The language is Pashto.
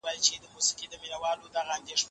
د جنایت سزا باید عبرت وي.